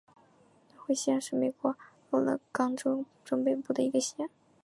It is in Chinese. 惠勒县是美国俄勒冈州中北部的一个县。